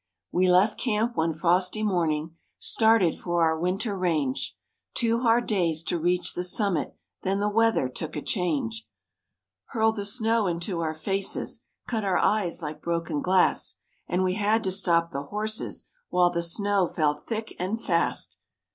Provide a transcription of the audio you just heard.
We left camp one frosty morning, Started for our winter range; Two hard days to reach the summit, Then the weather took a change, Hurled the snow into our faces, Cut our eyes like broken glass, And we had to stop the horses, While the snow fell thick and fast.